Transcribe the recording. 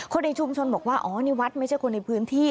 คนในชุมชนบอกว่านิวัฒน์ไม่ใช่คนในพื้นที่